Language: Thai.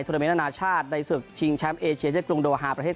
ราเมนอนาชาติในศึกชิงแชมป์เอเชียที่กรุงโดฮาประเทศ